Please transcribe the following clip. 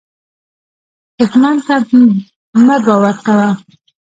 دښمن ته مه باور کوه